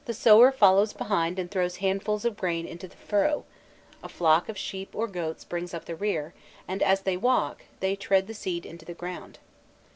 The sower follows behind and throws handfuls of grain into the furrow: a flock of sheep or goats brings up the rear, and as they walk, they tread the seed into the ground.